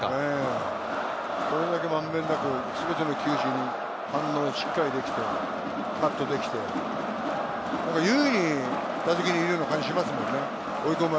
これだけ満遍なく、全ての球種にしっかり反応できて、カットできて、優位に打席にいるような感じがするもんね。